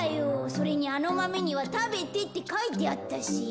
それにあのマメには「食べて」ってかいてあったし。